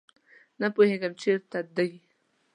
نه پوهیږم چیرته دي